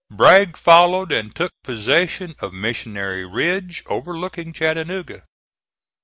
Bragg followed and took possession of Missionary Ridge, overlooking Chattanooga.